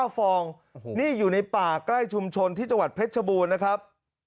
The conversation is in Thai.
ฟองนี่อยู่ในป่าใกล้ชุมชนที่จังหวัดเพชรชบูรณ์นะครับ